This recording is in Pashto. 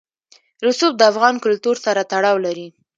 رسوب د افغان کلتور سره تړاو لري.